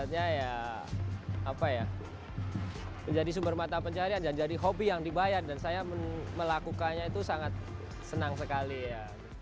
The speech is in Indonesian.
jangan lupa pencarian dan jadi hobi yang dibayar dan saya melakukannya itu sangat senang sekali ya